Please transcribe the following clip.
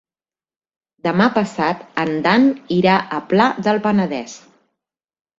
Demà passat en Dan irà al Pla del Penedès.